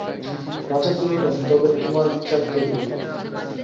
রাজা কহিলেন, তবে তোমার বিচার কে করিবে?